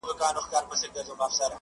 او د دوی د پوره کیدلو لپاره